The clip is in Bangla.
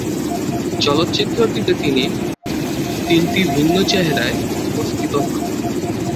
চলচ্চিত্রটিতে তিনি তিনটি ভিন্ন চেহারায় উপস্থাপিত হবেন।